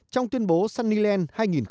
trong tuyên bố sunnyland hai nghìn một mươi sáu